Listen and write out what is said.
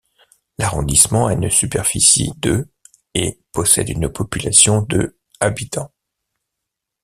L’arrondissement a une superficie de et possède une population de habitants.